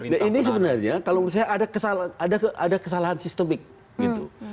nah ini sebenarnya kalau menurut saya ada kesalahan sistemik gitu